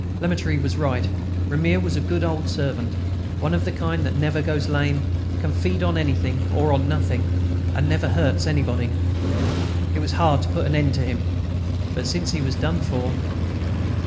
Lemaître was right. "Ramier" was a good old servant, one of the kind that never goes lame, can feed on anything or on nothing, and never hurts anybody. It was hard to put an end to him; but since he was done for....